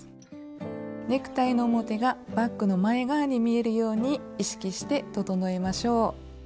ネクタイの表がバッグの前側に見えるように意識して整えましょう。